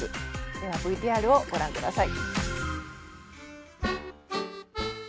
ではＶＴＲをご覧下さい。